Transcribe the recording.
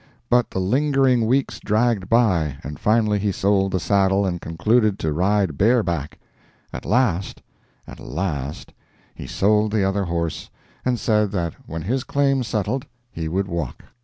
But the lingering weeks dragged by, and finally he sold the saddle and concluded to ride bare back. At last—at last—he sold the other horse, and said that when his claim settled he would walk.